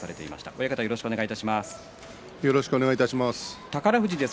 親方、よろしくお願いします。